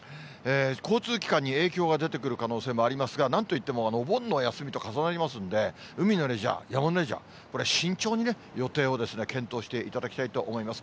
交通機関に影響が出てくる可能性もありますが、なんといってもお盆のお休みと重なりますので、海のレジャー、山のレジャー、これ、慎重にね、予定を検討していただきたいと思います。